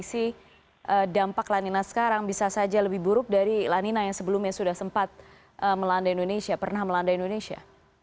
kondisi dampak lanina sekarang bisa saja lebih buruk dari lanina yang sebelumnya sudah sempat melanda indonesia pernah melanda indonesia